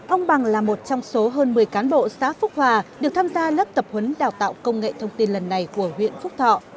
ông bằng là một trong số hơn một mươi cán bộ xã phúc hòa được tham gia lớp tập huấn đào tạo công nghệ thông tin lần này của huyện phúc thọ